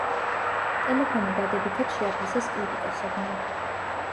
ტელეფონი დადებითად შეაფასეს კრიტიკოსებმა.